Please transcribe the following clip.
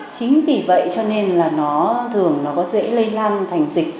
chính vì vậy cho nên là nó thường nó có thể lây lan thành dịch